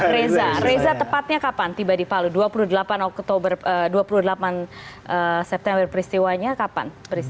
reza reza tepatnya kapan tiba di palu dua puluh delapan september peristiwanya kapan